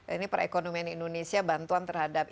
ini perekonomian indonesia bantuan terhadap